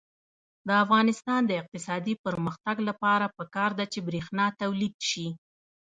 د افغانستان د اقتصادي پرمختګ لپاره پکار ده چې برښنا تولید شي.